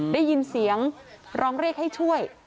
ได้ยินเสียงร้องเรียกให้ช่วย